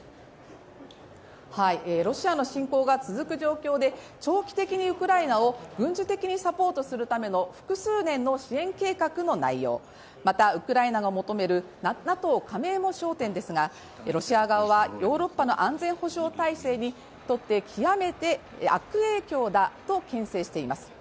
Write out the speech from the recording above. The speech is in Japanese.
ロシアの侵攻が続く状況で長期的にウクライナを軍事的にサポートするための複数年の支援計画の内容、また、ウクライナが求めるＮＡＴＯ加盟も焦点ですがロシア側は、ヨーロッパの安全保障体制にとって極めて悪影響だとけん制しています。